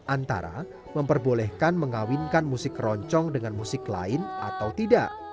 antara memperbolehkan mengawinkan musik keroncong dengan musik lain atau tidak